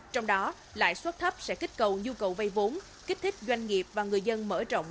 trong đó lãi suất thấp sẽ kích cầu nhu cầu vay vốn kích thích doanh nghiệp và người dân mở rộng